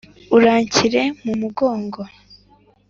uranshyire mu mugongo